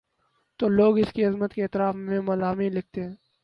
تو لوگ اس کی عظمت کے اعتراف میں مضامین لکھتے ہیں۔